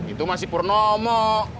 itu masih purnomo